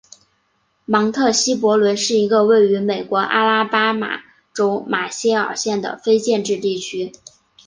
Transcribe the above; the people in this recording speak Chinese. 芒特希伯伦是一个位于美国阿拉巴马州马歇尔县的非建制地区。